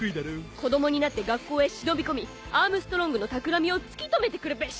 子供になって学校へ忍び込みアームストロングのたくらみを突き止めて来るべし。